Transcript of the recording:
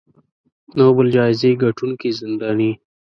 نوبل جایزې ګټونکې زنداني